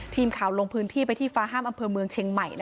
ทีมข่าวลงพื้นที่ไปที่ฟ้าห้ามอำเภอเมืองเชียงใหม่